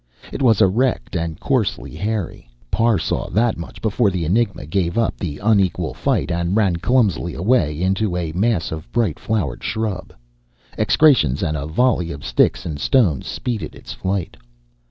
It was erect and coarsely hairy Parr saw that much before the enigma gave up the unequal fight and ran clumsily away into a mass of bright flowered scrub. Execrations and a volley of sticks and stones speeded its flight.